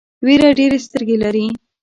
وېره ډېرې سترګې لري.